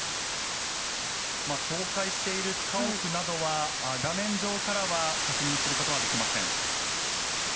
倒壊している家屋などは画面上からは確認することはできません。